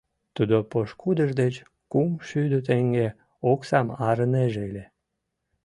Тудо пошкудыж деч кумшӱдӧ теҥге оксам арынеже ыле.